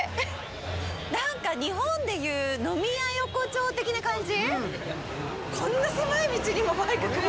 なんか、日本でいう飲み屋横丁的な感じ？